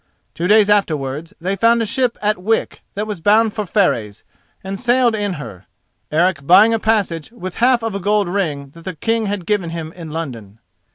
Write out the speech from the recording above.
Two days afterwards they found a ship at Wick that was bound for Fareys, and sailed in her, Eric buying a passage with the half of a gold ring that the King had given him in London.